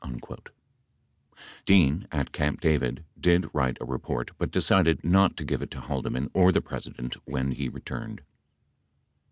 68 Dean, at Camp David, did write a report but decided not to give it to Haldeman or the President when he returned.